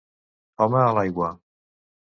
Home a l'aigua!